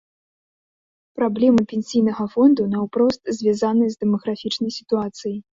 Праблемы пенсійнага фонду наўпрост звязаныя з дэмаграфічнай сітуацыяй.